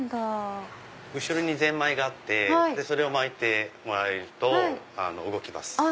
後ろにぜんまいがあってそれを巻いてもらうと動きます。